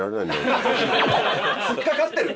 突っかかってる？